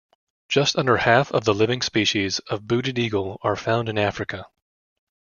Just under half of the living species of booted eagle are found in Africa.